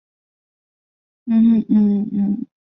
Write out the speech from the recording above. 他是故国壤王之子。